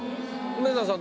梅沢さん